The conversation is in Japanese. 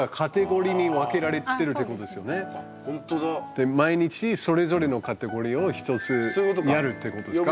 で毎日それぞれのカテゴリーを１つずつやるってことですか？